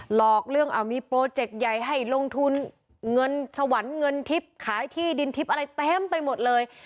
หลอกเรื่องเอามีโปรเจกต์ใหญ่ให้ลงทุนเงินสวรรค์เงินทิพย์ขายที่ดินทิพย์อะไรเต็มไปหมดเลย